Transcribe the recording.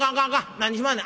何しまんねん！